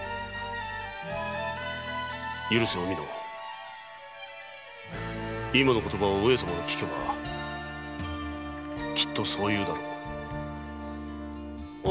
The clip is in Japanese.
許せおみの今の言葉を上様が聞けばきっとそう言うだろう。